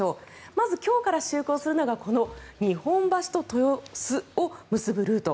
まず今日から就航するのが日本橋と豊洲を結ぶルート。